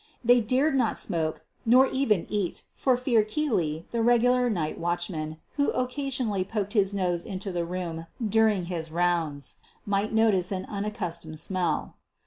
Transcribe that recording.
They dared not smoke nor even eat for fear Keely, the regular night watchman, who occasionally poked his nose into the room during his rounds, might notice an un accustomed smell.